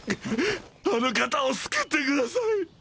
あの方を救ってください